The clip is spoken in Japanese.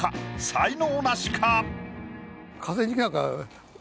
才能ナシか？